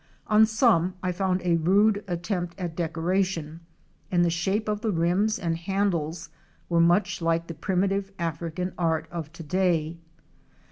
On some I found a rude attempt at decoration, and the shape of the rims and handles were much like the primitive African art of to day.